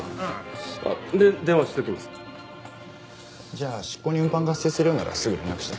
じゃあ執行に運搬が発生するようならすぐ連絡して。